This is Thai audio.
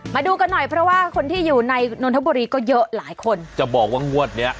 มาดูกันหน่อยเพราะว่าคนที่อยู่ในนนทบุรีก็เยอะหลายคนจะบอกว่างวดเนี้ย